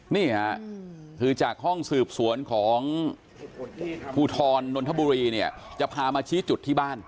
นี่ค่ะคือจากห้องสืบสวนของภูทรนนทบุรีเนี่ยจะพามาชี้จุดที่บ้าน